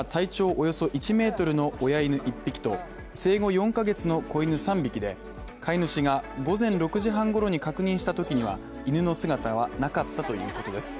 およそ１ｍの親犬１匹と生後４ヶ月の子犬３匹で、飼い主が午前６時半ごろに確認したときには犬の姿はなかったということです